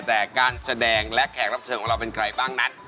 แต่การแสดงและแขกรับเชิญของเราเป็นใครบ้างนั้น